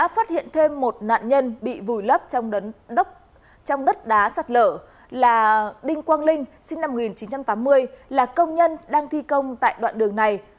phát hiện thêm một nạn nhân bị vùi lấp trong đất đá sạt lở là đinh quang linh sinh năm một nghìn chín trăm tám mươi là công nhân đang thi công tại đoạn đường này